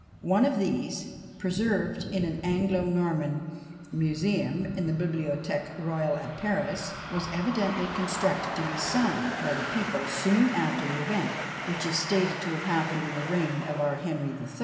One of these, preserved in an Anglo Norman MS. in the Bibliothèque Royale at Paris, was evidently constructed to be sung by the people soon after the event, which is stated to have happened in the reign of our Henry III.